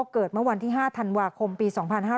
เกิดเมื่อวันที่๕ธันวาคมปี๒๕๕๙